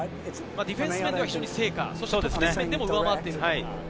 ディフェンス面では非常に成果、そしてオフェンス面でも上回っている。